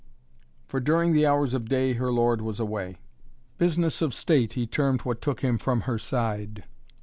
For during the hours of day her lord was away. Business of state he termed what took him from her side.